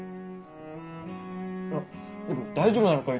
あっでも大丈夫なのか？